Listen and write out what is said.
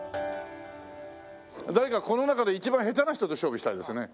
誰かこの中で一番下手な人と勝負したいですね。